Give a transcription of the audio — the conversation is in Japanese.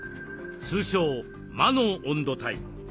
通称魔の温度帯。